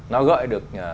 nó gợi được